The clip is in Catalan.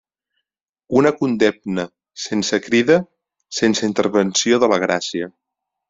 Una condemna sense crida, sense intervenció de la gràcia.